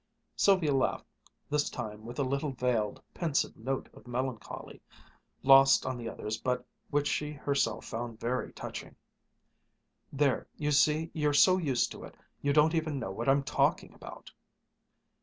Sylvia laughed, this time with a little veiled, pensive note of melancholy, lost on the others but which she herself found very touching. "There, you see you're so used to it, you don't even know what I'm talking about!"